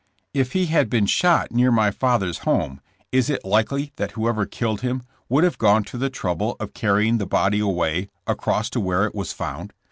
If he had been shot near my father's home, is it likely that whoever killed him would have gone to the trouble of carrying the body away across to where it was found?